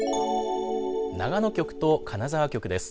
長野局と金沢局です。